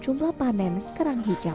cuma panen kerang hijau